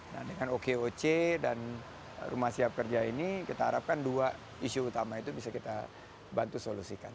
nah dengan okoc dan rumah siap kerja ini kita harapkan dua isu utama itu bisa kita bantu solusikan